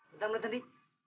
bentar bentar nia